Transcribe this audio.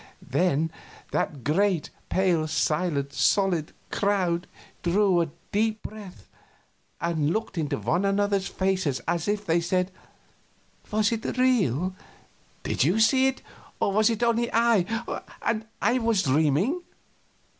Then that great, pale, silent, solid crowd drew a deep breath and looked into one another's faces as if they said: "Was it real? Did you see it, or was it only I and I was dreaming?"